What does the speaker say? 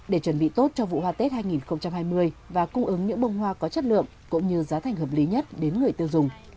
để chuẩn bị tốt cho vụ hoa tết hai nghìn hai mươi và cung ứng những bông hoa có chất lượng cũng như giá thành hợp lý nhất đến người tiêu dùng